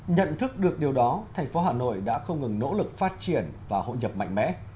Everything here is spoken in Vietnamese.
nhận thức được điều đó thành phố hà nội đã không ngừng nỗ lực phát triển và hội nhập mạnh mẽ